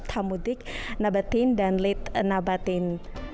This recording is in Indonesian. thamudik nabatin dan lit nabatin